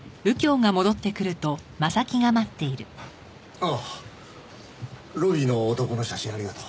ああロビーの男の写真ありがとう。